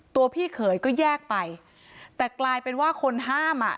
พี่เขยก็แยกไปแต่กลายเป็นว่าคนห้ามอ่ะ